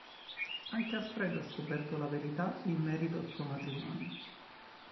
Anche Alfredo ha scoperto la verità in merito al suo matrimonio.